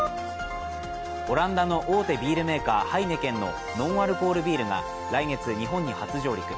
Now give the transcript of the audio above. オランダの大手ビールメーカー、ハイネケンのノンアルコールビールが来月、日本に初上陸。